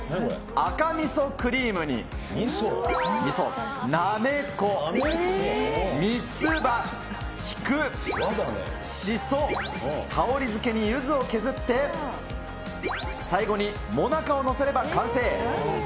赤みそクリームに、なめこ、三つ葉、菊、シソ、香りづけにユズを削って、最後にもなかを載せれば完成。